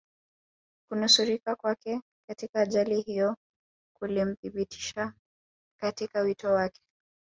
kunusurika kwake katika ajali hiyo kulimthibitisha katika wito wake